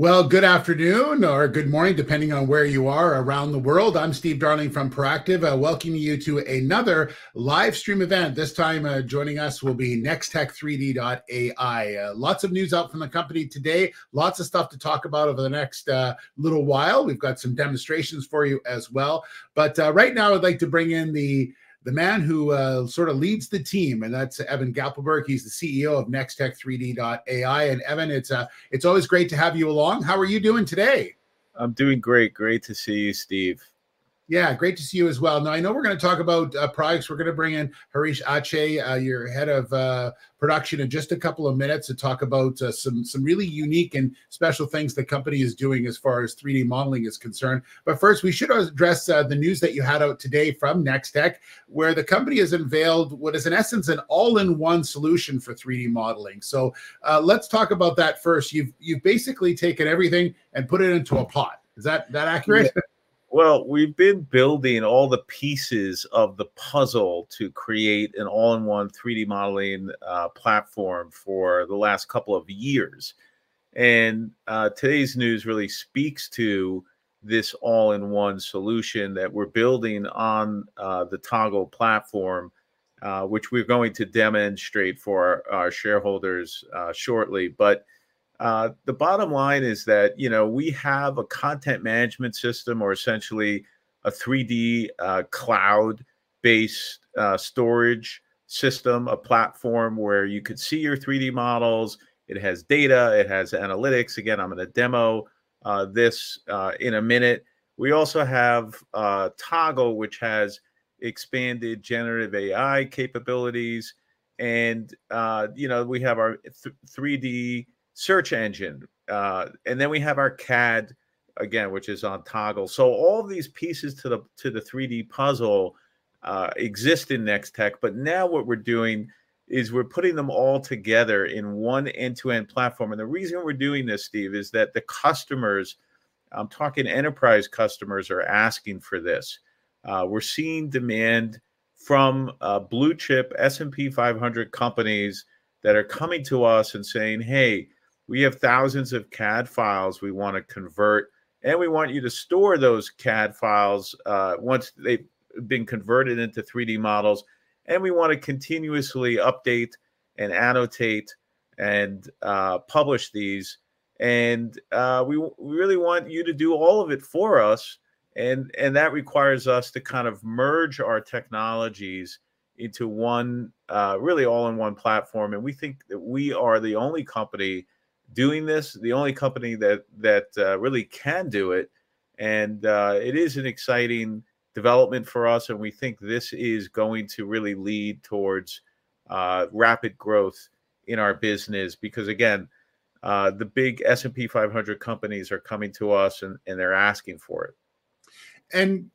Well, good afternoon or good morning, depending on where you are around the world. I'm Steve Darling from Proactive. I welcome you to another live stream event. This time, joining us will be Nextech3D.ai. Lots of news out from the company today. Lots of stuff to talk about over the next little while. We've got some demonstrations for you as well, but right now I'd like to bring in the man who sort of leads the team, and that's Evan Gappelberg. He's the CEO of Nextech3D.ai, and Evan, it's always great to have you along. How are you doing today? I'm doing great. Great to see you, Steve. Yeah, great to see you as well. Now, I know we're going to talk about products. We're going to bring in Hareesh Achi, your Head of Production, in just a couple of minutes to talk about some really unique and special things the company is doing as far as 3D modeling is concerned. But first, we should address the news that you had out today from Nextech3D.AI, where the company has unveiled what is, in essence, an all-in-one solution for 3D modeling. So, let's talk about that first. You've basically taken everything and put it into a pot. Is that accurate? Well, we've been building all the pieces of the puzzle to create an all-in-one 3D modeling platform for the last couple of years. Today's news really speaks to this all-in-one solution that we're building on the Toggle platform, which we're going to demonstrate for our shareholders shortly. The bottom line is that, you know, we have a content management system or essentially a 3D cloud-based storage system, a platform where you could see your 3D models. It has data, it has analytics. Again, I'm going to demo this in a minute. We also have Toggle, which has expanded generative AI capabilities, and, you know, we have our 3D search engine. And then we have our CAD, again, which is on Toggle. So all these pieces to the 3D puzzle exist in Nextech, but now what we're doing is we're putting them all together in one end-to-end platform. The reason we're doing this, Steve, is that the customers, I'm talking enterprise customers, are asking for this. We're seeing demand from blue-chip S&P 500 companies that are coming to us and saying, "Hey, we have thousands of CAD files we want to convert, and we want you to store those CAD files once they've been converted into 3D models, and we want to continuously update, and annotate, and publish these, and we really want you to do all of it for us." And that requires us to kind of merge our technologies into one really all-in-one platform, and we think that we are the only company doing this, the only company that really can do it. And it is an exciting development for us, and we think this is going to really lead towards rapid growth in our business. Because, again, the big S&P 500 companies are coming to us, and, and they're asking for it. Evan,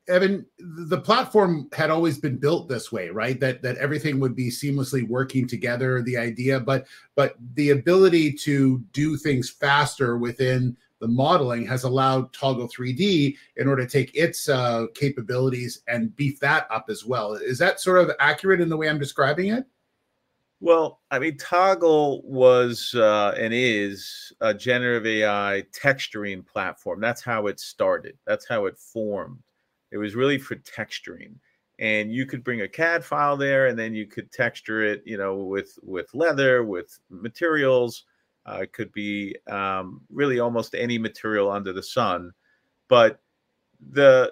the platform had always been built this way, right? That everything would be seamlessly working together, the idea. But the ability to do things faster within the modeling has allowed Toggle3D in order to take its capabilities and beef that up as well. Is that sort of accurate in the way I'm describing it? Well, I mean, Toggle was, and is a generative AI texturing platform. That's how it started. That's how it formed. It was really for texturing, and you could bring a CAD file there, and then you could texture it, you know, with leather, with materials. It could be really almost any material under the sun. But the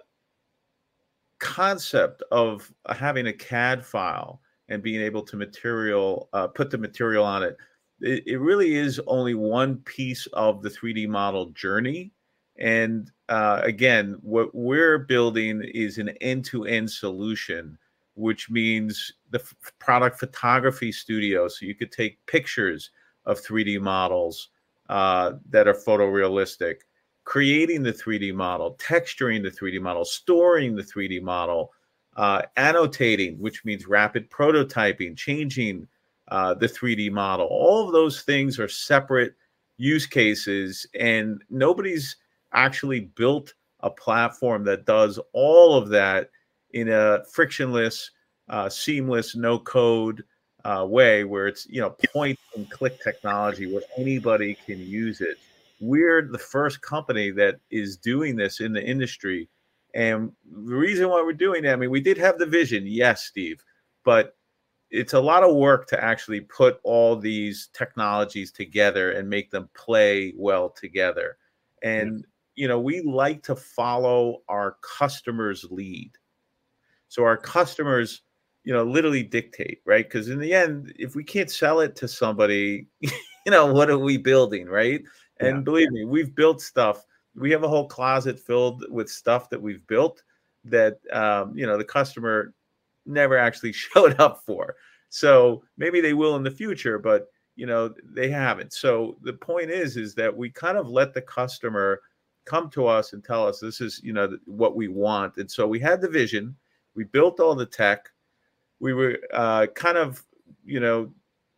concept of having a CAD file and being able to put the material on it, it really is only one piece of the 3D model journey. And again, what we're building is an end-to-end solution, which means the product photography studio, so you could take pictures of 3D models that are photorealistic, creating the 3D model, texturing the 3D model, storing the 3D model, annotating, which means rapid prototyping, changing the 3D model. All of those things are separate use cases, and nobody's actually built a platform that does all of that in a frictionless, seamless, no-code, way, where it's, you know, point-and-click technology, where anybody can use it. We're the first company that is doing this in the industry, and the reason why we're doing that. We did have the vision, yes, Steve, but it's a lot of work to actually put all these technologies together and make them play well together. You know, we like to follow our customer's lead. Our customers, you know, literally dictate, right? 'Cause in the end, if we can't sell it to somebody, you know, what are we building, right? Believe me, we've built stuff. We have a whole closet filled with stuff that we've built that, you know, the customer never actually showed up for. So maybe they will in the future, but, you know, they haven't. So the point is that we kind of let the customer come to us and tell us, "This is, you know, what we want." And so we had the vision, we built all the tech. We were you know,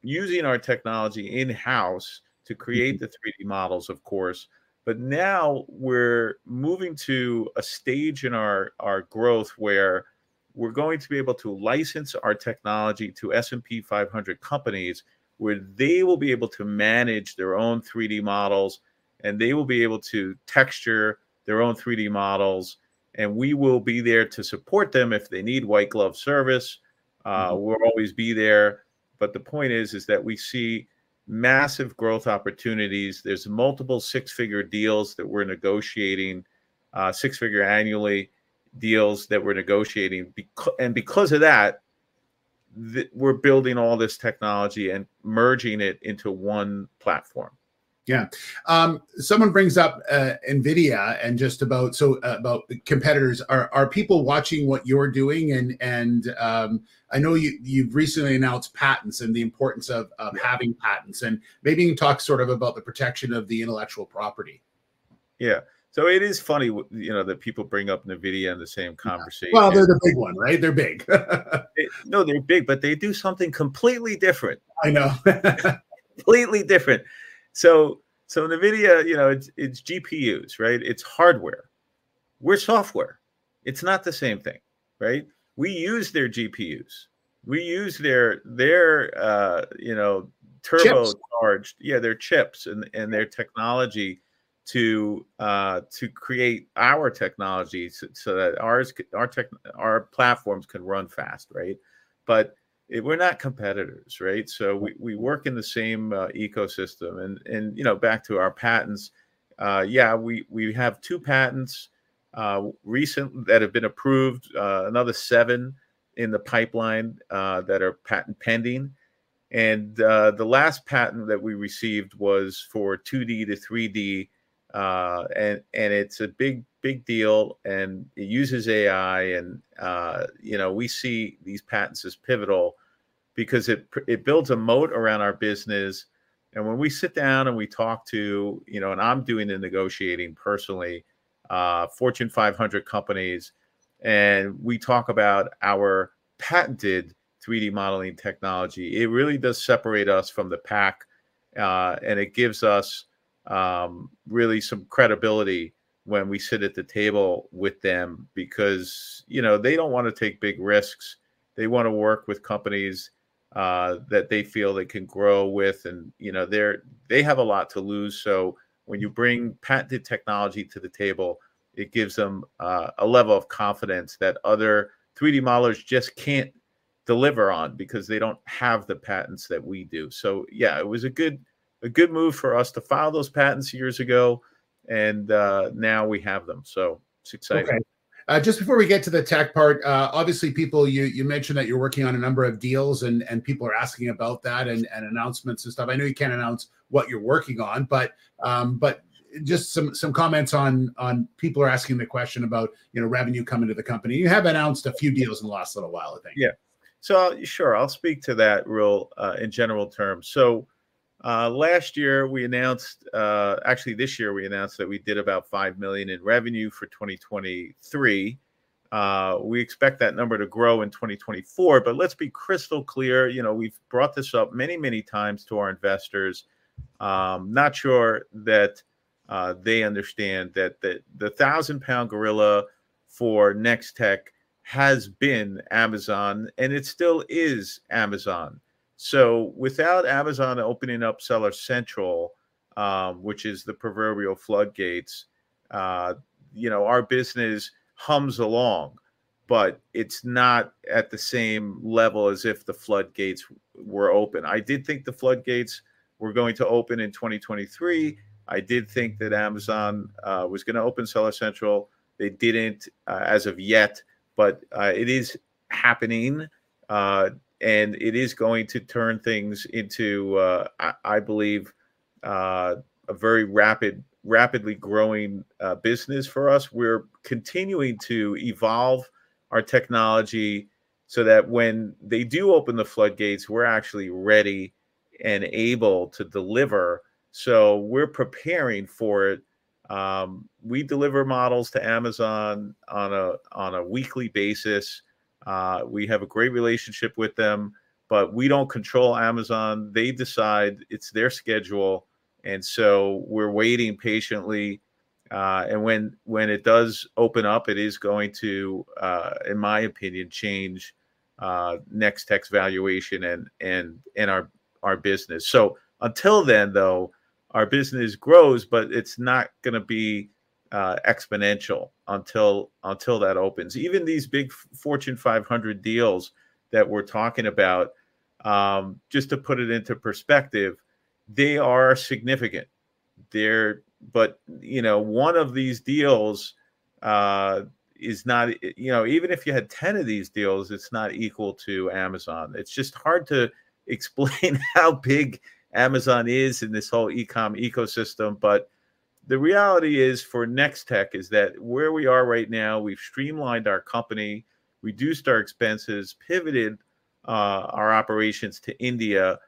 using our technology in-house to create the 3D models, of course. But now we're moving to a stage in our growth where we're going to be able to license our technology to S&P 500 companies, where they will be able to manage their own 3D models, and they will be able to texture their own 3D models, and we will be there to support them if they need white glove service. We'll always be there, but the point is, is that we see massive growth opportunities. There's multiple six-figure deals that we're negotiating, six-figure annually deals that we're negotiating because of that, we're building all this technology and merging it into one platform. Yeah. Someone brings up NVIDIA and just about the competitors. Are people watching what you're doing? And I know you've recently announced patents and the importance of having patents, and maybe you can talk sort of about the protection of the intellectual property. Yeah. So it is funny, you know, that people bring up NVIDIA in the same conversation - Well, they're the big one, right? They're big. No, they're big, but they do something completely different. I know. Completely different. So, NVIDIA, you know, it's GPUs, right? It's hardware. We're software. It's not the same thing, right? We use their GPUs. We use their you know, turbo. Chips Yeah, their chips and their technology to create our technology, so that our platforms can run fast, right? But we're not competitors, right? So we work in the same ecosystem, and you know, back to our patents, yeah, we have two patents that have been approved, another seven in the pipeline that are patent pending. And the last patent that we received was for 2D to 3D, and it's a big deal, and it uses AI. And you know, we see these patents as pivotal because it builds a moat around our business. When we sit down and we talk to, you know, and I'm doing the negotiating personally, Fortune 500 companies, and we talk about our patented 3D modeling technology, it really does separate us from the pack. It gives us really some credibility when we sit at the table with them because, you know, they don't want to take big risks. They want to work with companies that they feel they can grow with, and, you know, they have a lot to lose. So when you bring patented technology to the table, it gives them a level of confidence that other 3D modelers just can't deliver on because they don't have the patents that we do. So yeah, it was a good, a good move for us to file those patents years ago, and now we have them, so it's exciting. Okay. Just before we get to the tech part, obviously, people, you mentioned that you're working on a number of deals, and people are asking about that, and announcements and stuff. I know you can't announce what you're working on, but just some comments on. People are asking the question about, you know, revenue coming to the company. You have announced a few deals in the last little while, I think. Yeah. So, sure, I'll speak to that real, in general terms. So, last year, we announced, actually, this year, we announced that we did about $5 million in revenue for 2023. We expect that number to grow in 2024, but let's be crystal clear, you know, we've brought this up many, many times to our investors. Not sure that, they understand that the, the thousand-pound gorilla for Nextech has been Amazon, and it still is Amazon. So without Amazon opening up Seller Central, which is the proverbial floodgates, you know, our business hums along, but it's not at the same level as if the floodgates were open. I did think the floodgates were going to open in 2023. I did think that Amazon, was going to open Seller Central. They didn't as of yet, but it is happening, and it is going to turn things into, I believe, a very rapidly growing business for us. We're continuing to evolve our technology so that when they do open the floodgates, we're actually ready and able to deliver, so we're preparing for it. We deliver models to Amazon on a weekly basis. We have a great relationship with them, but we don't control Amazon. They decide. It's their schedule, and so we're waiting patiently, and when it does open up, it is going to, in my opinion, change Nextech's valuation and our business. So until then, though, our business grows, but it's not going to be exponential until that opens. Even these big Fortune 500 deals that we're talking about, just to put it into perspective, they are significant. They're. But, you know, one of these deals is not, you know, even if you had 10 of these deals, it's not equal to Amazon. It's just hard to explain how big Amazon is in this whole e-com ecosystem. But the reality is, for Nextech, is that where we are right now, we've streamlined our company, reduced our expenses, pivoted our operations to India,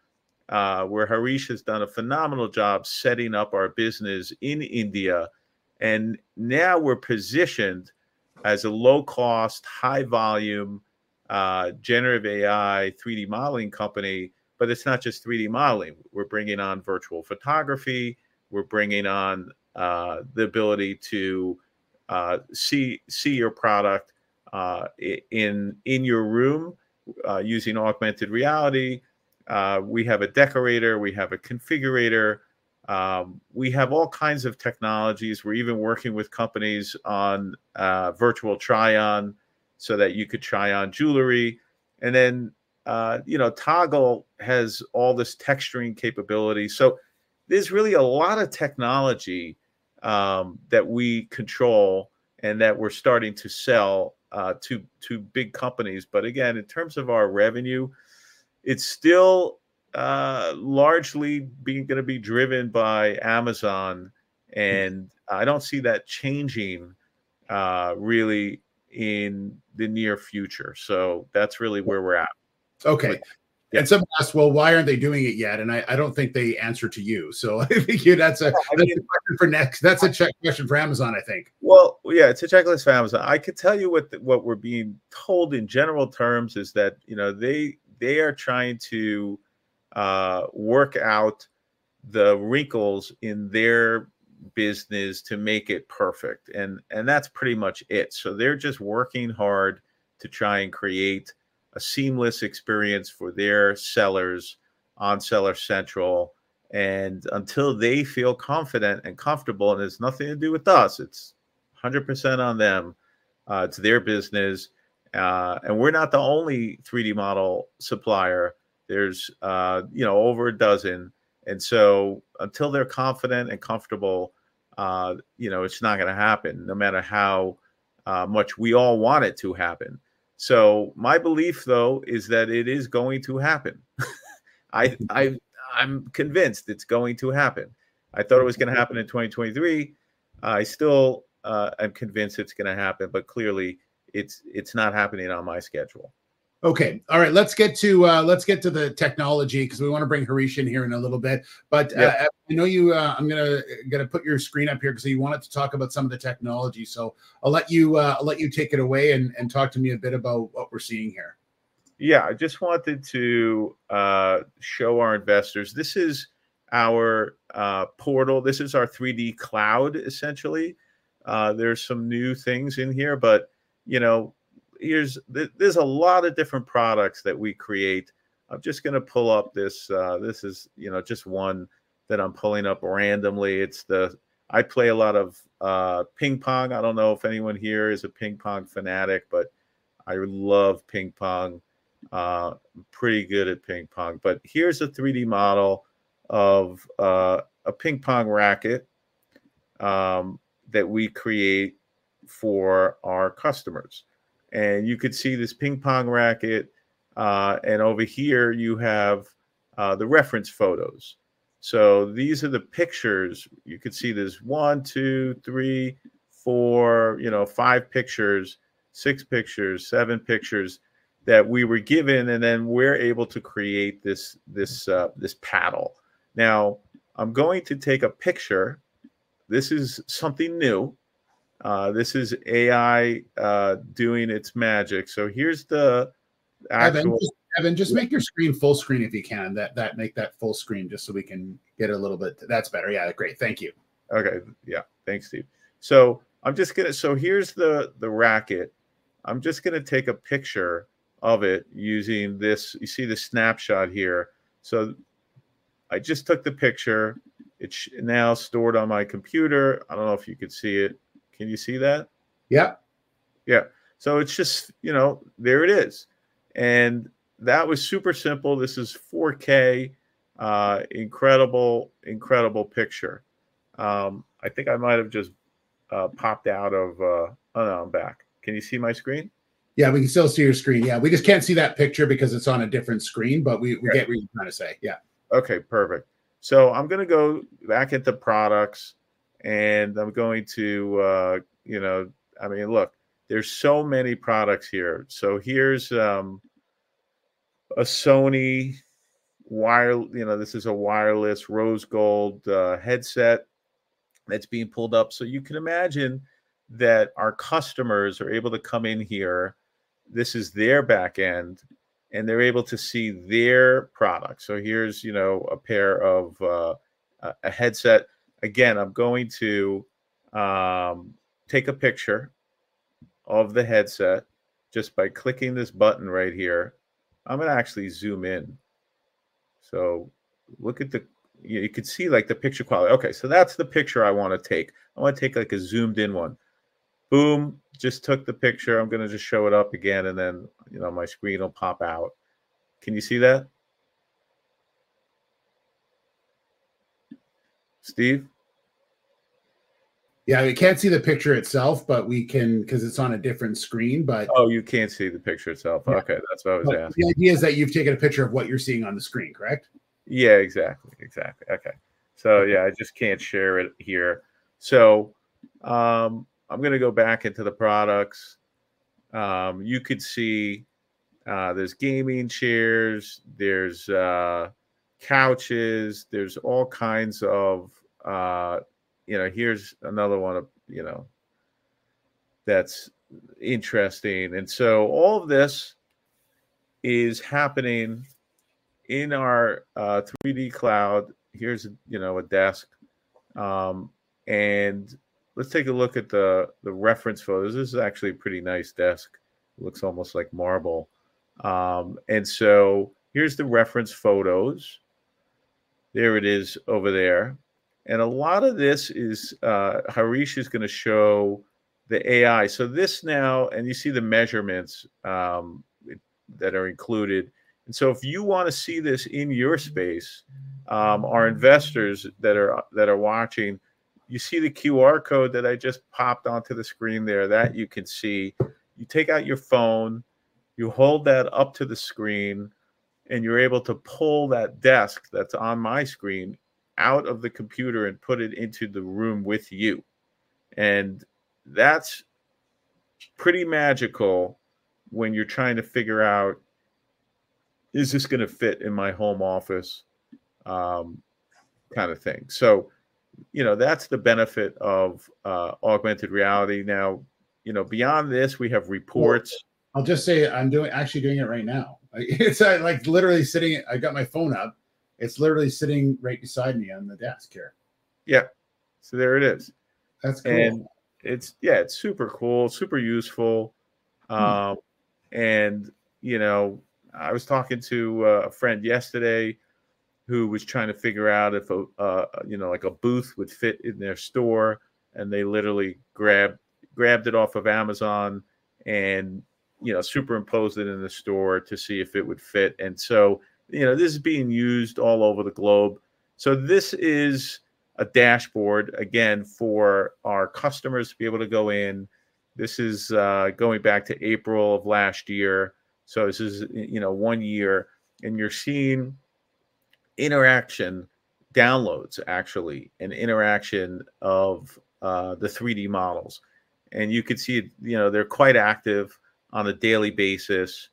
where Hareesh has done a phenomenal job setting up our business in India. And now we're positioned as a low-cost, high-volume generative AI 3D modeling company, but it's not just 3D modeling. We're bringing on virtual photography. We're bringing on the ability to see your product in your room using augmented reality. We have a decorator, we have a configurator, we have all kinds of technologies. We're even working with companies on virtual try-on so that you could try on jewelry, and then, you know, Toggle has all this texturing capability. So there's really a lot of technology that we control and that we're starting to sell to big companies. But again, in terms of our revenue, it's still largely being going to be driven by Amazon, and I don't see that changing really in the near future. So that's really where we're at. Okay. Yeah. Some have asked, "Well, why aren't they doing it yet?" I don't think they answer to you, so I think you that's a question for next. That's a check question for Amazon, I think. Well, yeah, it's a checklist for Amazon. I could tell you what we're being told in general terms is that, they are trying to work out the wrinkles in their business to make it perfect, and that's pretty much it. So they're just working hard to try and create a seamless experience for their sellers on Seller Central, and until they feel confident and comfortable, and it's nothing to do with us, it's 100% on them, it's their business. And we're not the only 3D model supplier. There's, you know, over a dozen, and so until they're confident and comfortable, you know, it's not going to happen, no matter how much we all want it to happen. My belief, though, is that it is going to happen. I'm convinced it's going to happen. I thought it was going to happen in 2023. I still, I'm convinced it's going to happen, but clearly, it's not happening on my schedule. Okay. All right, let's get to the technology 'cause we want to bring Hareesh in here in a little bit. Yeah. But, I know you. I'm going to put your screen up here, 'cause you wanted to talk about some of the technology. So I'll let you take it away and talk to me a bit about what we're seeing here. Yeah, I just wanted to show our investors. This is our portal. This is our 3D cloud, essentially. There are some new things in here, but, you know, here's. There's a lot of different products that we create. I'm just going to pull up this. This is, you know, just one that I'm pulling up randomly. It's. I play a lot of ping pong. I don't know if anyone here is a ping pong fanatic, but I love ping pong. I'm pretty good at ping pong. But here's a 3D model of a ping pong racket that we create for our customers, and you could see this ping pong racket. And over here, you have the reference photos. So these are the pictures. You could see there's 1, 2, 3, 4, you know, 5 pictures, 6 pictures, 7 pictures that we were given, and then we're able to create this, this, this paddle. Now, I'm going to take a picture. This is something new. This is AI doing its magic. So here's the actual- Evan, just make your screen full screen if you can. Make that full screen, just so we can get a little bit. That's better. Yeah, great. Thank you. Okay. Yeah. Thanks, Steve. So I'm just going to. So here's the, the racket. I'm just going to take a picture of it using this. You see the snapshot here. So I just took the picture. It's now stored on my computer. I don't know if you could see it. Can you see that? Yeah. Yeah. So it's just, you know, there it is, and that was super simple. This is 4K. Incredible, incredible picture. I think I might have just popped out of... Oh, no, I'm back. Can you see my screen? Yeah, we can still see your screen. Yeah, we just can't see that picture because it's on a different screen, but we get what you're trying to say. Yeah. Okay, perfect. So I'm going to go back at the products, and I'm going to, you know... I mean, look, there's so many products here. So here's a Sony wireless rose gold headset that's being pulled up. So you can imagine that our customers are able to come in here, this is their back end, and they're able to see their products. So here's, you know, a pair of a headset. Again, I'm going to take a picture of the headset just by clicking this button right here. I'm going to actually zoom in. So look at the... You could see, like, the picture quality. Okay, so that's the picture I want to take. I want to take, like, a zoomed-in one. Boom, just took the picture. I'm going to just show it up again, and then, you know, my screen will pop out. Can you see that? Steve? Yeah, we can't see the picture itself, but we can- 'cause it's on a different screen, but- Oh, you can't see the picture itself. Yeah. Okay, that's what I was asking. The idea is that you've taken a picture of what you're seeing on the screen, correct? Yeah, exactly, exactly. Okay. So yeah, I just can't share it here. So, I'm going to go back into the products. You could see, there's gaming chairs, there's couches, there's all kinds of, you know, here's another one of, you know, that's interesting. And so all this is happening in our 3D cloud. Here's, you know, a desk. And let's take a look at the reference photos. This is actually a pretty nice desk. It looks almost like marble. And so here's the reference photos. There it is over there, and a lot of this is Hareesh is going to show the AI. So this now, and you see the measurements that are included. And so if you want to see this in your space, our investors that are watching, you see the QR code that I just popped onto the screen there? That you can see. You take out your phone, you hold that up to the screen, and you're able to pull that desk that's on my screen out of the computer and put it into the room with you, and that's pretty magical when you're trying to figure out, "Is this going to fit in my home office?" Kind of thing. So, you know, that's the benefit of augmented reality. Now, you know, beyond this, we have reports- I'll just say, I'm actually doing it right now. It's, like, literally sitting... I've got my phone out, it's literally sitting right beside me on the desk here. Yeah. So there it is. That's cool. It's. Yeah, it's super cool, super useful. And, you know, I was talking to a friend yesterday who was trying to figure out if a, you know, like a booth would fit in their store, and they literally grabbed it off of Amazon and, you know, superimposed it in the store to see if it would fit. And so, you know, this is being used all over the globe. So this is a dashboard, again, for our customers to be able to go in. This is going back to April of last year, so this is, you know, one year, and you're seeing interaction downloads, actually, and interaction of the 3D models. And you can see, you know, they're quite active on a daily basis.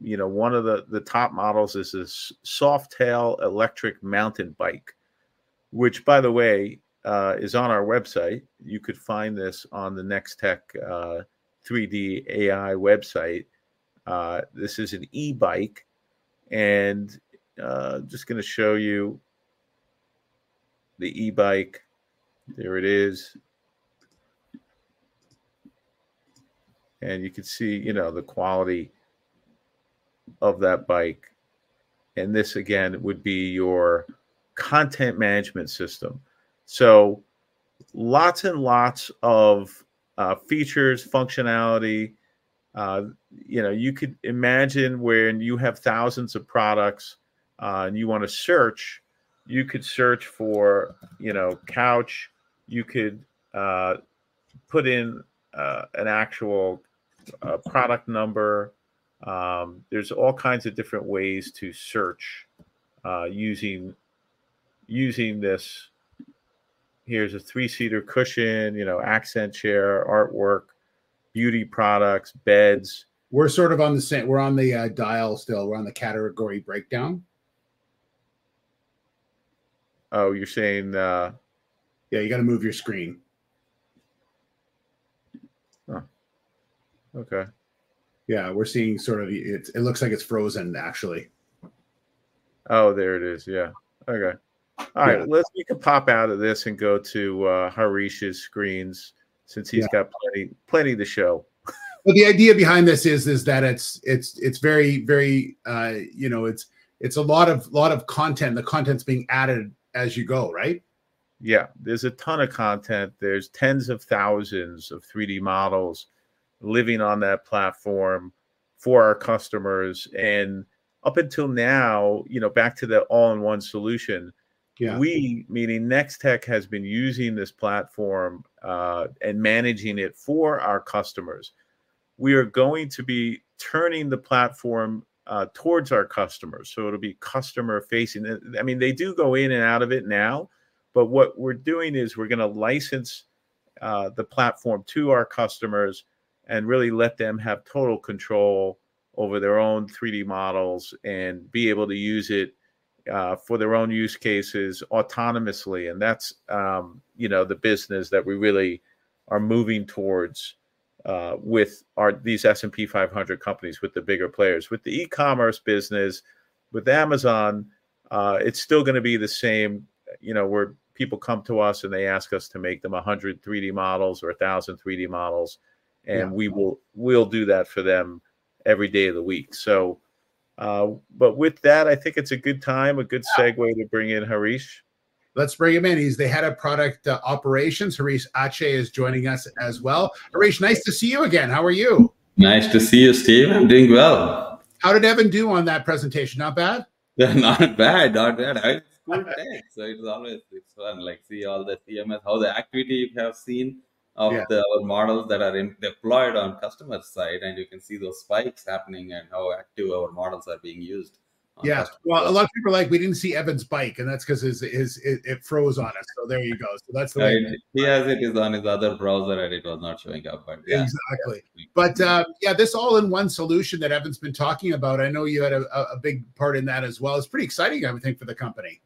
You know, one of the top models is this Softail electric mountain bike, which, by the way, is on our website. You could find this on the Nextech3D.AI website. This is an e-bike, and I'm just going to show you the e-bike. There it is. And you can see, you know, the quality of that bike, and this, again, would be your content management system. So lots and lots of features, functionality. You know, you could imagine when you have thousands of products, and you want to search, you could search for, you know, couch. You could put in an actual product number. There's all kinds of different ways to search using this. Here's a three-seater cushion, you know, accent chair, artwork, beauty products, beds. We're sort of on the same... We're on the, dial still. We're on the category breakdown? Oh, you're saying, Yeah, you gotta move your screen. Oh, okay. Yeah. We're seeing sort of the... It, it looks like it's frozen, actually. Oh, there it is. Yeah. Okay. Yeah. All right, let's. We can pop out of this and go to, Hareesh's screens- Yeah Since he's got plenty, plenty to show. Well, the idea behind this is that it's very, very, you know, it's a lot of content. The content's being added as you go, right? Yeah. There's a ton of content. There's tens of thousands of 3D models living on that platform for our customers, and up until now, you know, back to the all-in-one solution- Yeah We, meaning Nextech, has been using this platform, and managing it for our customers. We are going to be turning the platform, towards our customers, so it'll be customer-facing. I mean, they do go in and out of it now, but what we're doing is we're going to license, the platform to our customers and really let them have total control over their own 3D models and be able to use it, for their own use cases autonomously. And that's, you know, the business that we really are moving towards, with our... these S&P 500 companies, with the bigger players. With the e-commerce business, with Amazon, it's still going to be the same, you know, where people come to us and they ask us to make them 100 3D models or 1,000 3D models- Yeah We'll do that for them every day of the week. So, but with that, I think it's a good time, a good segu to bring in Hareesh. Let's bring him in. He's the head of product operations. Hareesh Achi is joining us as well. Hareesh, nice to see you again. How are you? Nice to see you, Steve. I'm doing well. How did Evan do on that presentation? Not bad? Yeah, not bad. Not bad, right? It's cool. Yeah, so it's always. It's fun, like, see all the CMS, how the activity you have seen. Yeah The models that are deployed on customer site, and you can see those spikes happening and how active our models are being used on Yeah. Customers. Well, a lot of people are like: "We didn't see Evan's bike," and that's 'cause his... It froze on us, so there you go. Right. He has it on his other browser, and it was not showing up, but yeah. Exactly. Yeah. But, yeah, this all-in-one solution that Evan's been talking about, I know you had a big part in that as well. It's pretty exciting, I would think, for the company.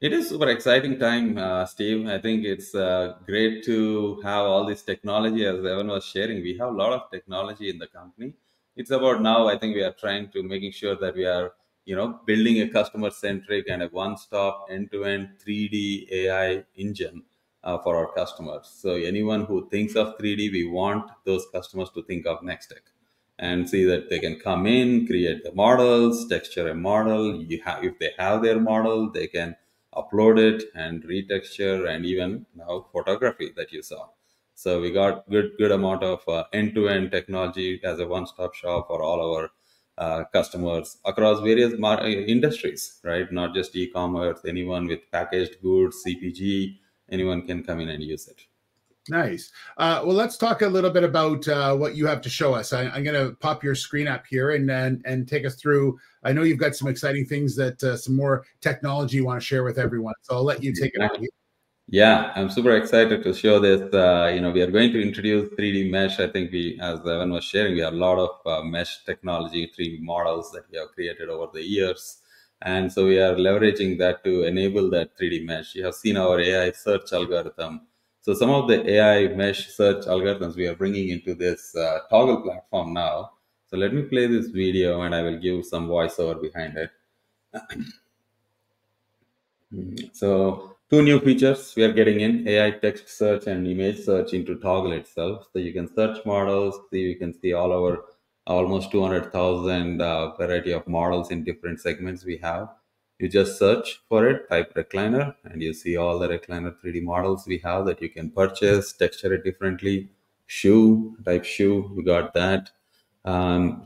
It is super exciting time, Steve. I think it's great to have all this technology. As Evan was sharing, we have a lot of technology in the company. It's about now, I think we are trying to making sure that we are, you know, building a customer-centric and a one-stop, end-to-end, 3D AI engine for our customers. So anyone who thinks of 3D, we want those customers to think of Nextech, and see that they can come in, create the models, texture a model. If they have their model, they can upload it, and retexture, and even now photography, that you saw. So we got good, good amount of end-to-end technology as a one-stop shop for all our customers across various mar-industries, right? Not just e-commerce, anyone with packaged goods, CPG, anyone can come in and use it. Nice. Well, let's talk a little bit about what you have to show us. I, I'm going to pop your screen up here, and then, and take us through... I know you've got some exciting things that some more technology you want to share with everyone, so I'll let you take it away. Yeah. I'm super excited to show this. You know, we are going to introduce 3D mesh. I think we, as Evan was sharing, we have a lot of mesh technology, 3D models that we have created over the years, and so we are leveraging that to enable that 3D mesh. You have seen our AI search algorithm. So some of the AI mesh search algorithms, we are bringing into this Toggle platform now. So let me play this video, and I will give some voiceover behind it. So two new features we are getting in, AI text search and image search into Toggle itself. So you can search models, so you can see all our almost 200,000 variety of models in different segments we have. You just search for it, type recliner, and you see all the recliner 3D models we have that you can purchase, texture it differently. Shoe, type shoe, we got that.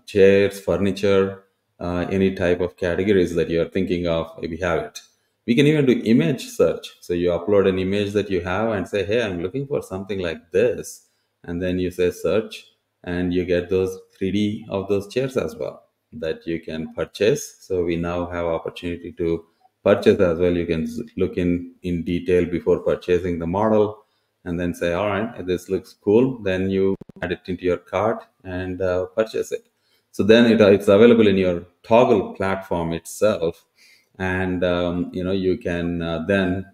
Chairs, furniture, any type of categories that you are thinking of, we have it. We can even do image search. So you upload an image that you have and say, "Hey, I'm looking for something like this," and then you say, "Search," and you get those 3D of those chairs as well, that you can purchase. So we now have opportunity to purchase as well. You can look in detail before purchasing the model, and then say, "All right, this looks cool." Then you add it into your cart and purchase it. So then it, it's available in your Toggle platform itself, and, you know, you can then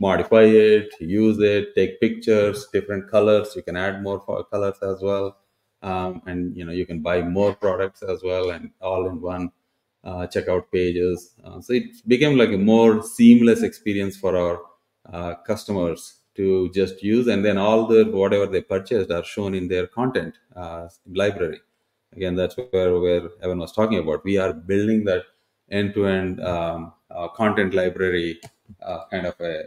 modify it, use it, take pictures, different colors. You can add more for colors as well. And you know, you can buy more products as well, and all in one checkout pages. So it became like a more seamless experience for our customers to just use, and then all the, whatever they purchased are shown in their content library. Again, that's where Evan was talking about. We are building that end-to-end content library, kind of a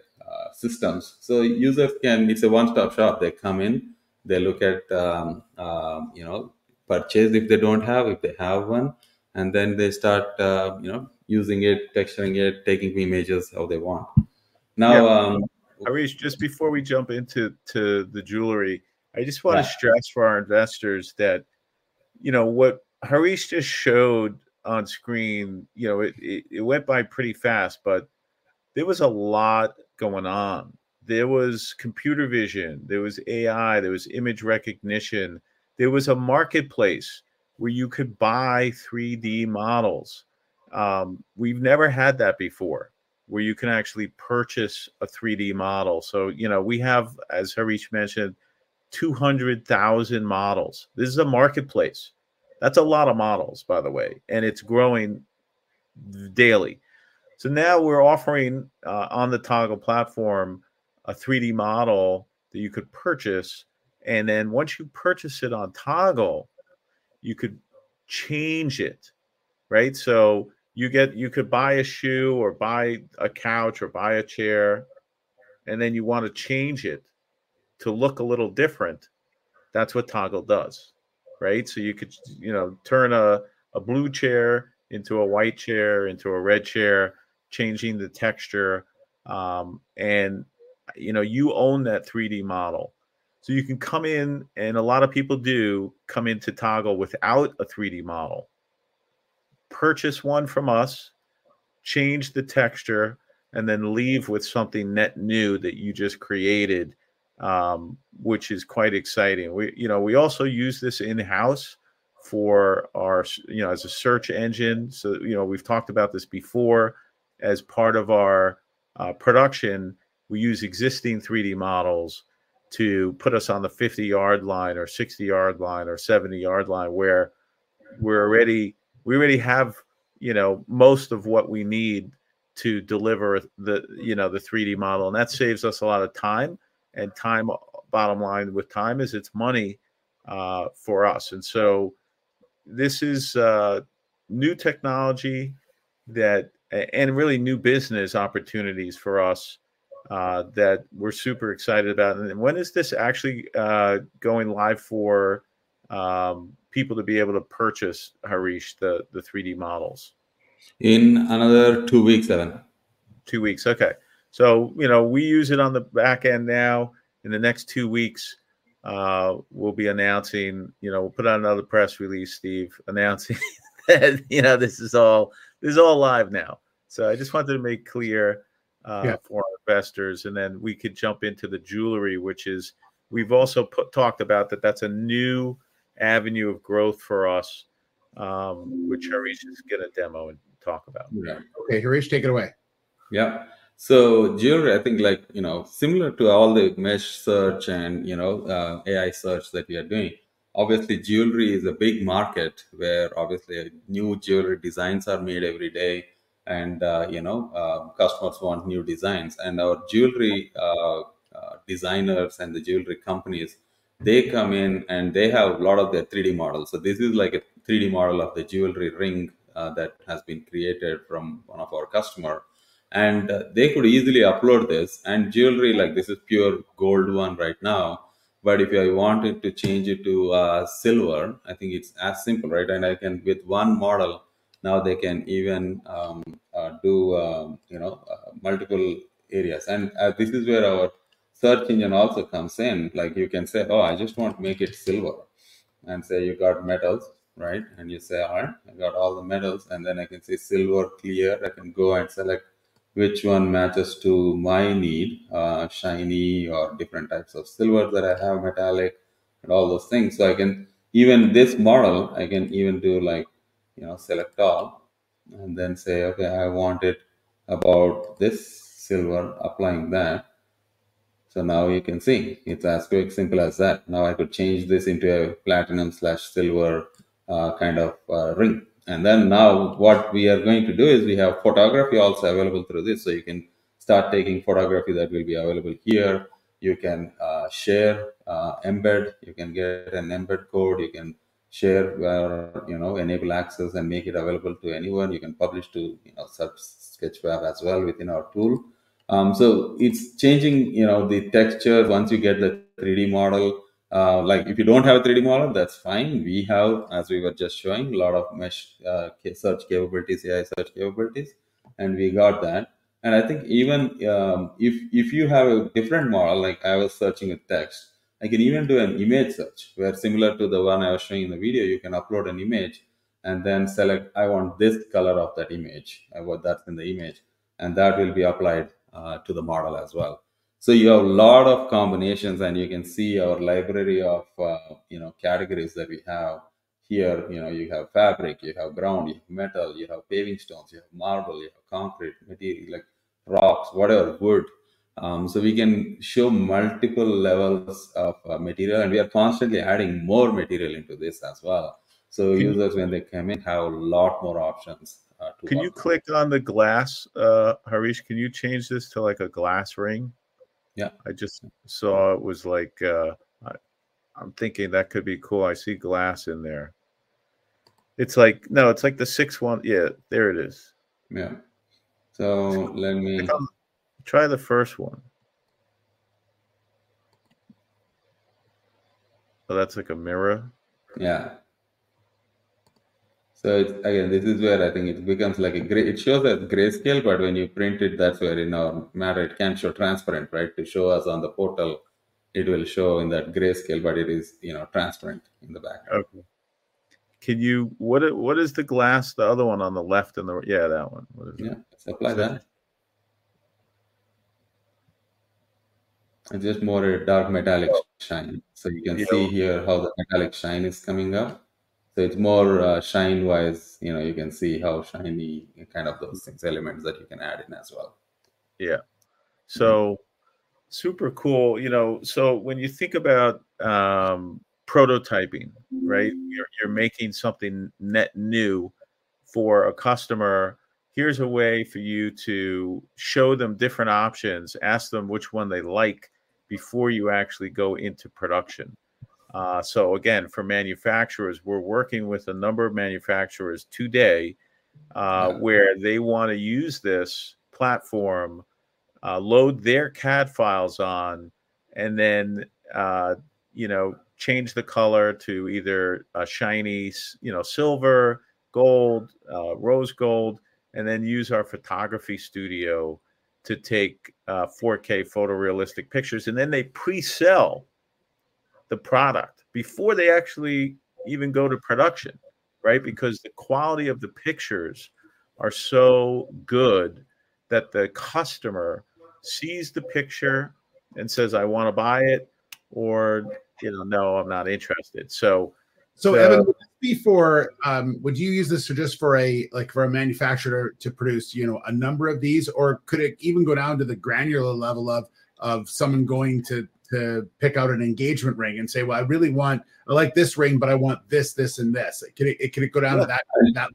systems. So users can... It's a one-stop shop. They come in, they look at, you know, purchase if they don't have, if they have one, and then they start, you know, using it, texturing it, taking images how they want. Hareesh, just before we jump into the jewelry. Yeah I just want to stress for our investors that, you know, what Hareesh just showed on screen, you know, it went by pretty fast, but there was a lot going on. There was computer vision, there was AI, there was image recognition. There was a marketplace where you could buy 3D models. We've never had that before, where you can actually purchase a 3D model. So, you know, we have, as Hareesh mentioned, 200,000 models. This is a marketplace. That's a lot of models, by the way, and it's growing daily. So now we're offering on the Toggle platform, a 3D model that you could purchase, and then once you purchase it on Toggle, you could change it, right? So you could buy a shoe, or buy a couch, or buy a chair, and then you want to change it to look a little different. That's what Toggle does, right? So you could, you know, turn a blue chair into a white chair, into a red chair, changing the texture, and, you know, you own that 3D model. So you can come in, and a lot of people do come into Toggle without a 3D model, purchase one from us, change the texture, and then leave with something net new that you just created, which is quite exciting. We, you know, we also use this in-house for our, you know, as a search engine. So, you know, we've talked about this before. As part of our production, we use existing 3D models to put us on the 50-yard line or 60-yard line or 70-yard line, where we're already, we already have, you know, most of what we need to deliver the, you know, the 3D model, and that saves us a lot of time. Time, bottom line with time, is it's money, for us. So this is new technology that and really new business opportunities for us, that we're super excited about. When is this actually going live for people to be able to purchase, Hareesh, the 3D models? In another two weeks, Evan. Two weeks, okay. So, you know, we use it on the back end now. In the next two weeks, we'll be announcing, you know, we'll put out another press release, Steve, announcing that, you know, this is all, this is all live now. So I just wanted to make clear. Yeah For our investors, and then we could jump into the jewelry, which we've also talked about, that's a new avenue of growth for us which Hareesh is going to demo and talk about. Yeah. Okay, Hareesh, take it away. Yeah. So jewelry, I think, like, you know, similar to all the mesh search and, you know, AI search that we are doing, obviously, jewelry is a big market, where obviously new jewelry designs are made every day. And, you know, customers want new designs, and our jewelry designers and the jewelry companies, they come in, and they have a lot of their 3D models. So this is, like, a 3D model of the jewelry ring, that has been created from one of our customer. And, they could easily upload this, and jewelry like this is pure gold one right now, but if I wanted to change it to, silver, I think it's as simple, right? And I can... With one model, now they can even, do, you know, multiple areas. This is where our search engine also comes in. Like, you can say, "Oh, I just want to make it silver," and say you got metals, right? And you say, "All right, I've got all the metals," and then I can say silver, clear. I can go and select which one matches to my need, shiny or different types of silver that I have, metallic and all those things. So I can even this model, I can even do, like, you know, select all and then say, "Okay, I want it about this silver," applying that. So now you can see it's as quite simple as that. Now, I could change this into a platinum/silver kind of ring. And then, now, what we are going to do is we have photography also available through this. You can start taking photography that will be available here. You can share, embed, you can get an embed code. You can share, you know, enable access and make it available to anyone. You can publish to, you know, such as Sketchfab as well within our tool. It's changing, you know, the texture once you get the 3D model. Like, if you don't have a 3D model, that's fine. We have, as we were just showing, a lot of mesh search capabilities, AI search capabilities, and we got that. I think even if you have a different model, like I was searching a text, I can even do an image search, where similar to the one I was showing in the video, you can upload an image and then select, "I want this color of that image." I want that in the image, and that will be applied to the model as well. So you have a lot of combinations, and you can see our library of, you know, categories that we have here. You know, you have fabric, you have brown, you have metal, you have paving stones, you have marble, you have concrete material, like rocks, whatever, wood. So we can show multiple levels of material, and we are constantly adding more material into this as well. Users, when they come in, have a lot more options, to- Can you click on the glass? Hareesh, can you change this to, like, a glass ring? Yeah. I just saw it was like, I, I'm thinking that could be cool. I see glass in there. It's like... No, it's like the sixth one. Yeah, there it is. Yeah. So let me. Try the first one. Oh, that's like a mirror? Yeah. So again, this is where I think it becomes like a gray. It shows a grayscale, but when you print it, that's where, you know, matter, it can't show transparent, right? It show as on the portal, it will show in that grayscale, but it is, you know, transparent in the background. Okay. Can you. What is the glass, the other one on the left and the. Yeah, that one. What is it? Yeah, apply that. It's just more a dark, metallic shine. So you can see here. Yeah How the metallic shine is coming up. So it's more, shine-wise, you know, you can see how shiny and kind of those things, elements that you can add in as well. YeaH. Super cool. You know, so when you think about, prototyping, right? You're making something net new for a customer. Here's a way for you to show them different options, ask them which one they like, before you actually go into production. So again, for manufacturers, we're working with a number of manufacturers today. Yeah Where they want to use this platform, load their CAD files on, and then, you know, change the color to either a shiny silver, gold, rose gold, and then use our photography studio to take 4K photorealistic pictures. And then they pre-sell the product before they actually even go to production, right? Because the quality of the pictures are so good that the customer sees the picture and says, "I want to buy it," or, "You know, no, I'm not interested." So- So, Evan, would you use this just for a, like, for a manufacturer to produce, you know, a number of these? Or could it even go down to the granular level of someone going to pick out an engagement ring and say, "Well, I like this ring, but I want this, this, and this"? Can it go down to that level?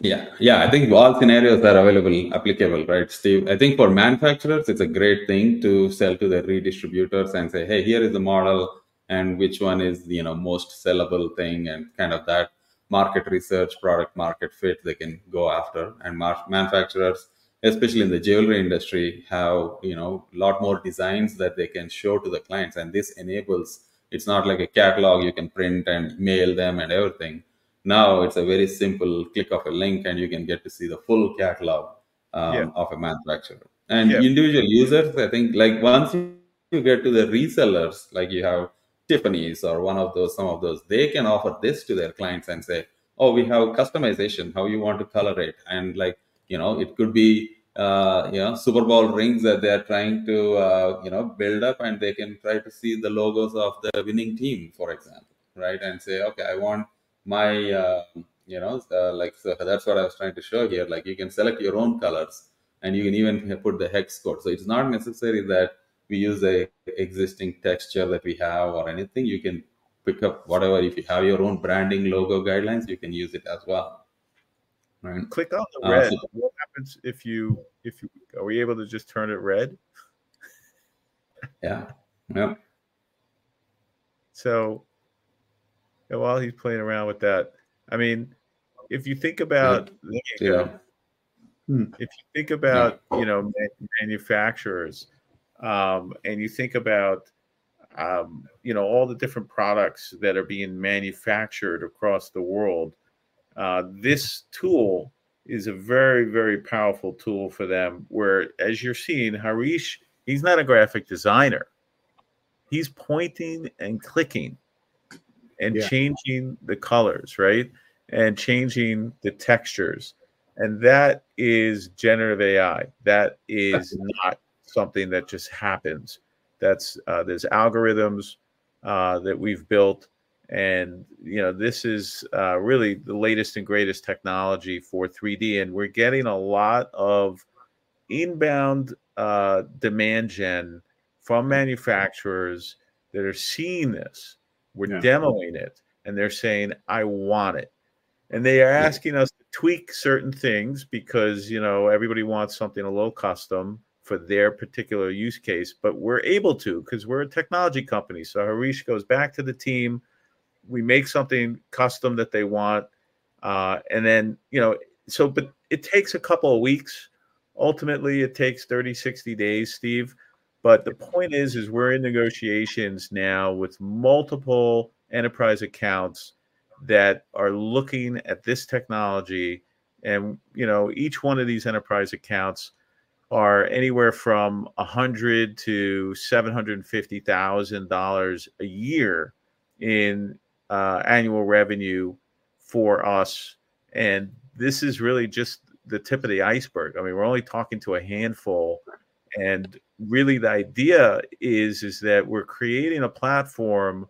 Yeah, yeah. I think all scenarios are available, applicable, right, Steve? I think for manufacturers, it's a great thing to sell to the redistributors and say: "Hey, here is the model, and which one is the, you know, most sellable thing?" And kind of that market research, product market fit they can go after. And manufacturers, especially in the jewelry industry, have, you know, a lot more designs that they can show to the clients. And this enables... It's not like a catalog you can print and mail them and everything. Now, it's a very simple click of a link, and you can get to see the full catalog of a manufacturer. Yeah. Individual users, I think, like, once you get to the resellers, like you have Tiffany's or one of those, some of those, they can offer this to their clients and say: "Oh, we have customization. How you want to color it?" And, like, you know, it could be, you know, Super Bowl rings that they are trying to, you know, build up, and they can try to see the logos of the winning team, for example... right? And say, "Okay, I want my," you know, like, so that's what I was trying to show here. Like, you can select your own colors, and you can even put the hex code. So it's not necessary that we use an existing texture that we have or anything. You can pick up whatever. If you have your own branding logo guidelines, you can use it as well. Right? Click on the red. What happens if you are we able to just turn it red? Yeah. Yep. So while he's playing around with that, I mean, if you think about. Yeah. If you think about you know, manufacturers, and you think about, you know, all the different products that are being manufactured across the world, this tool is a very, very powerful tool for them, where, as you're seeing, Hareesh, he's not a graphic designer. He's pointing, and clicking, and changing the colors, right? And changing the textures, and that is Generative AI. That is not something that just happens. That's, there's algorithms that we've built and, you know, this is really the latest and greatest technology for 3D, and we're getting a lot of inbound demand gen from manufacturers that are seeing this- Yeah We're demoing it, and they're saying, "I want it." And they are asking us to tweak certain things because, you know, everybody wants something a little custom for their particular use case, but we're able to, 'cause we're a technology company. So Hareesh goes back to the team, we make something custom that they want, and then, you know. So but it takes a couple of weeks. Ultimately, it takes 30, 60 days, Steve. But the point is, is we're in negotiations now with multiple enterprise accounts that are looking at this technology, and, you know, each one of these enterprise accounts are anywhere from $100-$750,000 a year in annual revenue for us, and this is really just the tip of the iceberg. I mean, we're only talking to a handful, and really, the idea is that we're creating a platform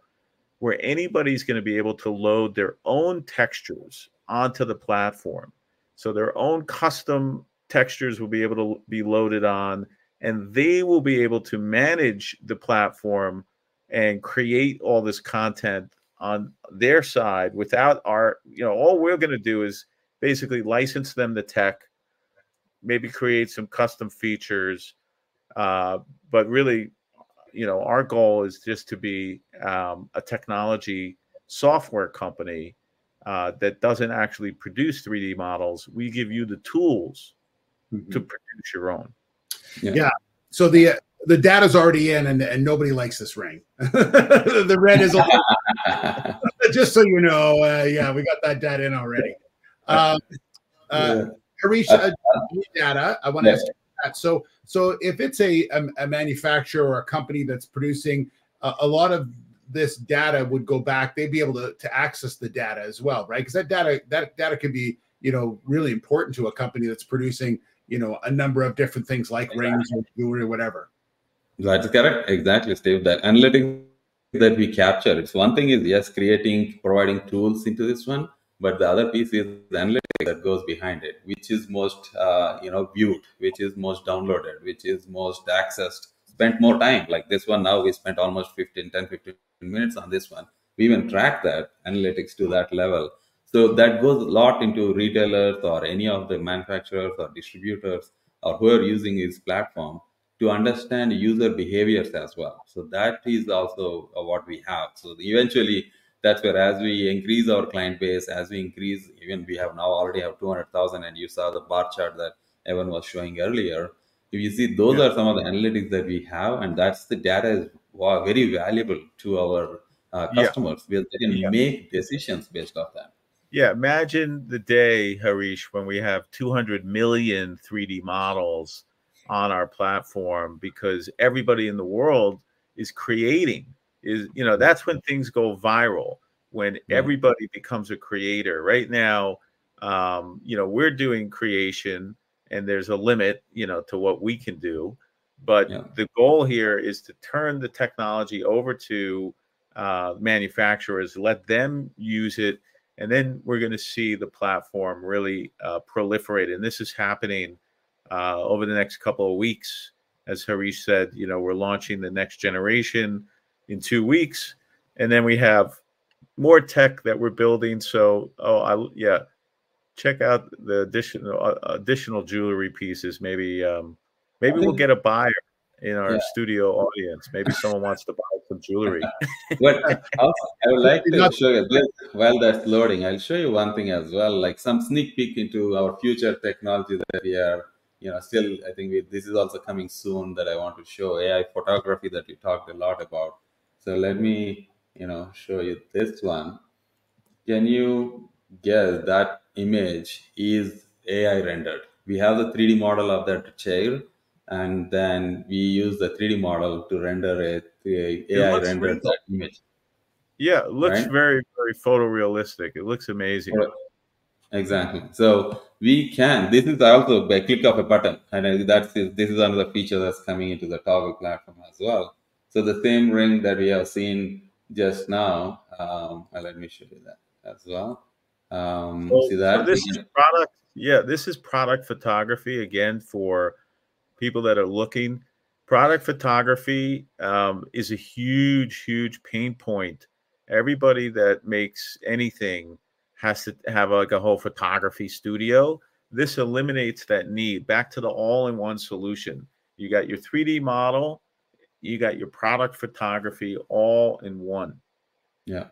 where anybody's going to be able to load their own textures onto the platform. So their own custom textures will be able to be loaded on, and they will be able to manage the platform and create all this content on their side, without our. You know, all we're going to do is basically license them the tech, maybe create some custom features, but really, you know, our goal is just to be a technology software company that doesn't actually produce 3D models. We give you the tools to produce your own. Yeah. Yeah. So the, the data's already in, and nobody likes this ring. The red is all. Just so you know, yeah, we got that data in alreay. Hareesh, Dasha, I want to ask you that. So if it's a manufacturer or a company that's producing a lot of this data would go back. They'd be able to access the data as well, right? 'Cause that data could be, you know, really important to a company that's producing, you know, a number of different things, like rings or jewelry or whatever. Right. Correct. Exactly, Steve, the analytics that we capture. It's one thing is, yes, creating, providing tools into this one, but the other piece is the analytics that goes behind it, which is most, you know, viewed, which is most downloaded, which is most accessed, spent more time. Like this one now, we spent almost 15, 10, 15 minutes on this one. We even track that analytics to that level. So that goes a lot into retailers or any of the manufacturers or distributors or whoever using this platform to understand user behaviors as well. So that is also what we have. So eventually, that's where as we increase our client base, as we increase, even we have now already have 200,000, and you saw the bar chart that Evan was showing earlier. If you see-.Yeah Those are some of the analytics that we have, and that's the data is, well, very valuable to our customers. Yeah Wiill then make decisions based off that. Yeah. Imagine the day, Hareesh, when we have 200 million 3D models on our platform because everybody in the world is creating... You know, that's when things go viral, when- Yeah Everybody becomes a creator. Right now, you know, we're doing creation, and there's a limit, you know, to what we can do. Yeah. But the goal here is to turn the technology over to manufacturers, let them use it, and then we're going to see the platform really proliferate. And this is happening over the next couple of weeks. As Hareesh said, you know, we're launching the next generation in two weeks, and then we have more tech that we're building. Yeah. Check out the additional jewelry pieces. Maybe we'll get a buyer in our studio audience. Yeah. Maybe someone wants to buy some jewelry. What I also would like to show you, while that's loading, I'll show you one thing as well, like some sneak peek into our future technology that we are... You know, still, I think this is also coming soon that I want to show, AI photography that we talked a lot about. So let me, you know, show you this one. Can you guess that image is AI-rendered? We have the 3D model of that chair, and then we use the 3D model to render it, the AI- It looks great. Render that image. Yeah. Right? It looks very, very photorealistic. It looks amazing. Exactly. So we can, this is also by click of a button, and, that is, this is another feature that's coming into the Toggle platform as well. So the same ring that we have seen just now, let me show you that as well. You see that? So this is product. Yeah, this is product photography, again, for people that are looking. Product photography is a huge, huge pain point. Everybody that makes anything has to have, like, a whole photography studio. This eliminates that need. Back to the all-in-one solution. You got your 3D model, you got your product photography all in one. Yeah,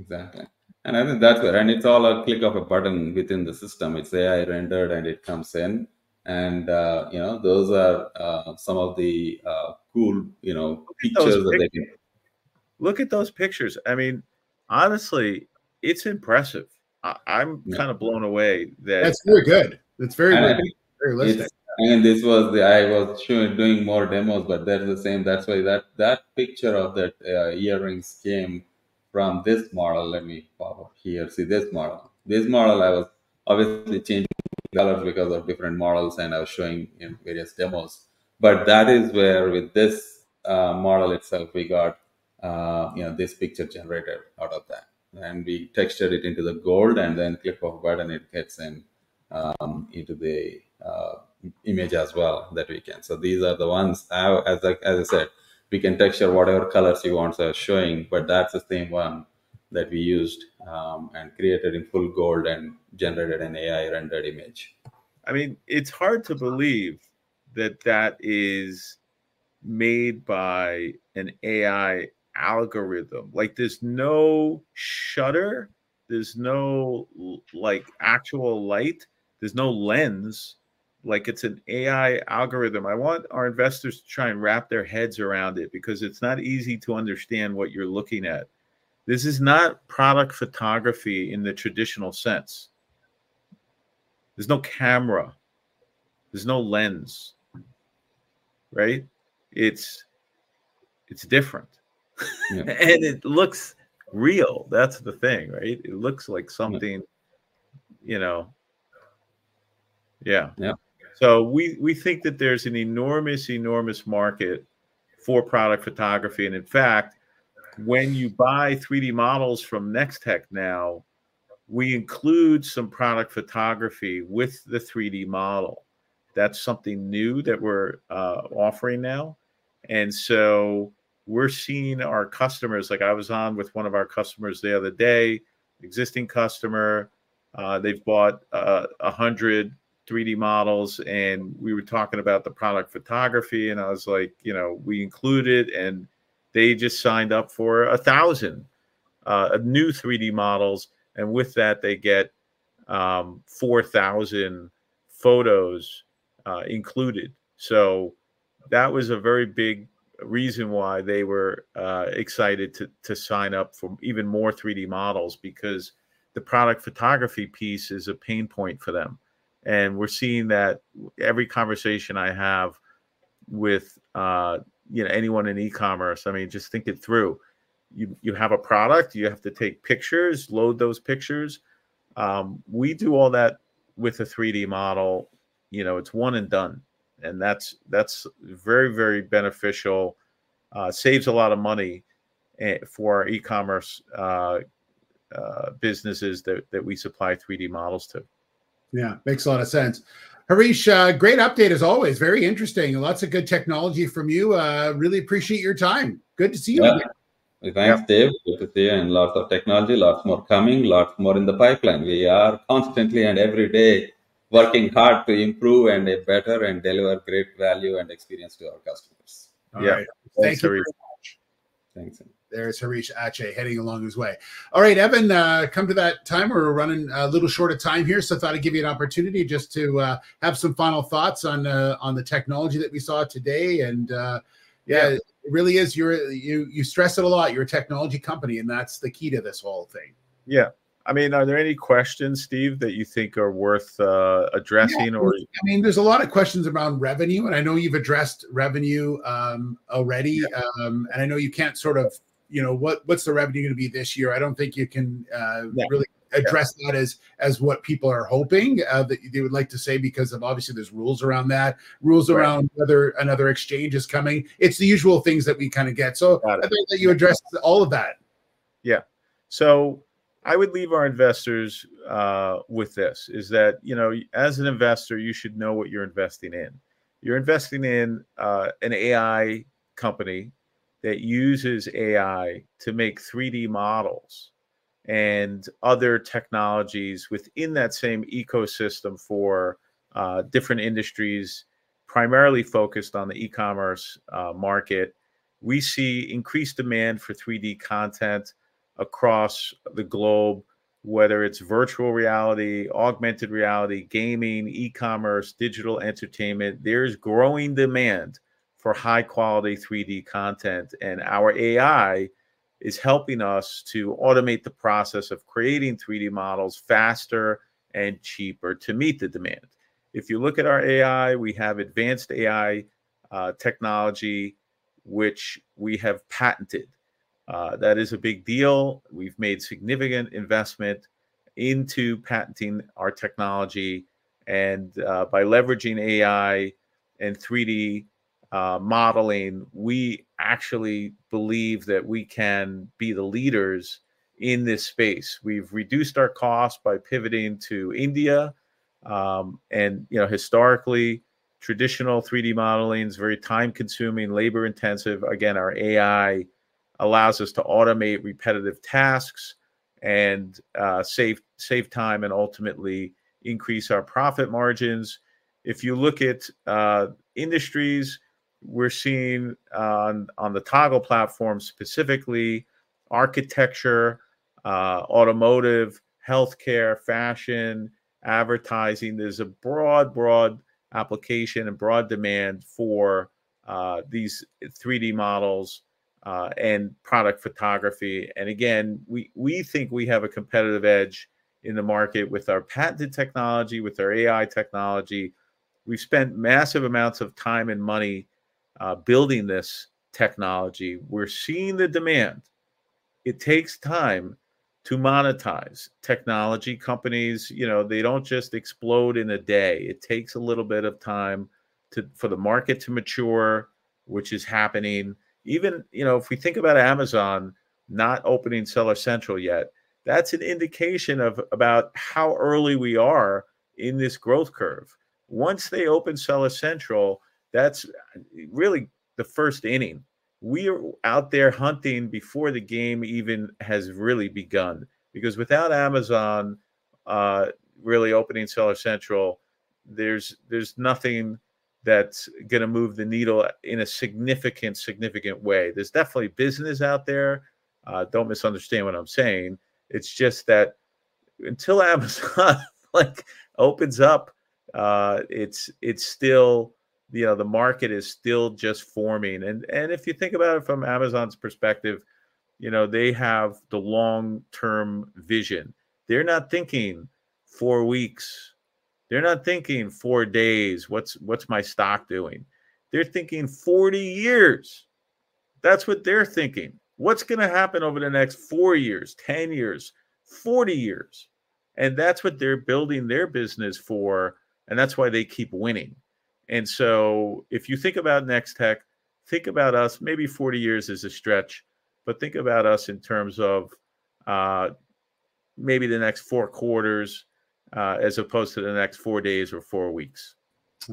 exactly. And I think that's it, and it's all a click of a button within the system. It's AI-rendered, and it comes in, and, you know, those are, some of the, cool, you know, pictures that they can- Look at those pictures. I mean, honestly, it's impressive. Yeah Kind of blown away that- That's very good. It's very good. Very realistic. This was the... I was showing, doing more demos, but that's the same. That's why that picture of that earrings came from this model. Let me pop up here. See this model? This model, I was obviously changing colors because of different models, and I was showing in various demos. But that is where, with this model itself, we got, you know, this picture generated out of that, and we textured it into the gold, and then click of a button, it gets into the image as well that we can. So these are the ones. Now, as I said, we can texture whatever colors you want us showing, but that's the same one that we used, and created in full gold and generated an AI-rendered image. I mean, it's hard to believe that that is made by an AI algorithm. Like, there's no shutter, there's no light, like actual light, there's no lens. Like, it's an AI algorithm. I want our investors to try and wrap their heads around it, because it's not easy to understand what you're looking at. This is not product photography in the traditional sense. There's no camera, there's no lens, right? It's, different. Yeah. It looks real, that's the thing, right? It looks like something- Yeah You know. Yeah. Yeah. So we think that there's an enormous, enormous market for product photography, and in fact, when you buy 3D models from Nextech now, we include some product photography with the 3D model. That's something new that we're offering now, and so we're seeing our customers... Like, I was on with one of our customers the other day, existing customer, they've bought 100 3D models, and we were talking about the product photography, and I was like, "You know, we include it," and they just signed up for 1,000 new 3D models, and with that, they get 4,000 photos included. So that was a very big reason why they were excited to sign up for even more 3D models, because the product photography piece is a pain point for them, and we're seeing that every conversation I have with, you know, anyone in e-commerce. I mean, just think it through. You have a product, you have to take pictures, load those pictures. We do all that with a 3D model. You know, it's one and done, and that's very, very beneficial. Saves a lot of money, eh, for e-commerce businesses that we supply 3D models to. Yeah, makes a lot of sense. Hareesh, great update as always. Very interesting, and lots of good technology from you. Really appreciate your time. Good to see you again. Yeah. Thanks, Dave. Good to see you, and lots of technology, lots more coming, lots more in the pipeline. We are constantly and every day working hard to improve and get better and deliver great value and experience to our customers. All right. Yeah. Thank you very much. Thanks. There's Hareesh Achi, heading along his way. All right, Evan, come to that time where we're running a little short of time here, so I thought I'd give you an opportunity just to have some final thoughts on the technology that we saw today, and Yeah Yeah, it really is. You stress it a lot, you're a technology company, and that's the key to this whole thing. Yeah. I mean, are there any questions, Steve, that you think are worth addressing, or. Yeah, of course. I mean, there's a lot of questions around revenue, and I know you've addressed revenue, already. Yeah. I know you can't sort of, you know. "What, what's the revenue going to be this year?" I don't think you can. Yeah Really address that as, as what people are hoping that you would like to say, because obviously there's rules around that. Right. Rules around whether another exchange is coming. It's the usual things that we kind of get. Got it. I think that you addressed all of that. Yeah. So I would leave our investors with this, is that, you know, as an investor, you should know what you're investing in. You're investing in an AI company that uses AI to make 3D models and other technologies within that same ecosystem for different industries, primarily focused on the e-commerce market. We see increased demand for 3D content across the globe, whether it's virtual reality, augmented reality, gaming, e-commerce, digital entertainment. There's growing demand for high-quality 3D content, and our AI is helping us to automate the process of creating 3D models faster and cheaper to meet the demand. If you look at our AI, we have advanced AI technology, which we have patented... that is a big deal. We've made significant investment into patenting our technology, and, by leveraging AI and 3D modeling, we actually believe that we can be the leaders in this space. We've reduced our costs by pivoting to India. You know, historically, traditional 3D modeling is very time-consuming, labor-intensive. Again, our AI allows us to automate repetitive tasks and save time, and ultimately increase our profit margins. If you look at industries, we're seeing on the Toggle platform, specifically, architecture, automotive, healthcare, fashion, advertising. There's a broad application and broad demand for these 3D models and product photography. And again, we think we have a competitive edge in the market with our patented technology, with our AI technology. We've spent massive amounts of time and money building this technology. We're seeing the demand. It takes time to monetize. Technology companies, you know, they don't just explode in a day. It takes a little bit of time for the market to mature, which is happening. Even. You know, if we think about Amazon not opening Seller Central yet, that's an indication of about how early we are in this growth curve. Once they open Seller Central, that's really the first inning. We are out there hunting before the game even has really begun, because without Amazon really opening Seller Central, there's nothing that's going to move the needle in a significant, significant way. There's definitely business out there. Don't misunderstand what I'm saying. It's just that until Amazon like opens up, it's still. You know, the market is still just forming. And if you think about it from Amazon's perspective, you know, they have the long-term vision. They're not thinking four weeks. They're not thinking 4 days, "What's my stock doing?" They're thinking 40 years! That's what they're thinking. What's going to happen over the next 4 years, 10 years, 40 years? And that's what they're building their business for, and that's why they keep winning. And so if you think about Nextech, think about us, maybe 40 years is a stretch, but think about us in terms of maybe the next 4 quarters as opposed to the next 4 days or 4 weeks.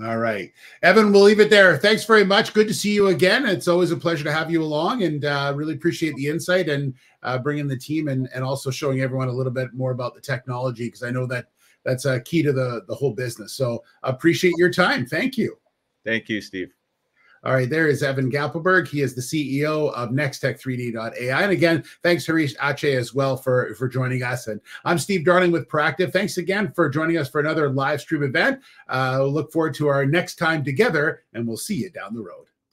All right. Evan, we'll leave it there. Thanks very much. Good to see you again. It's always a pleasure to have you along, and really appreciate the insight and bringing the team in, and also showing everyone a little bit more about the technology, 'cause I know that that's key to the whole business. So appreciate your time. Thank you. Thank you, Steve. All right, there is Evan Gappelberg. He is the CEO of Nextech3D.ai. And again, thanks, Hareesh Achi, as well, for joining us. And I'm Steve Darling with Proactive. Thanks again for joining us for another live stream event. We look forward to our next time together, and we'll see you down the road.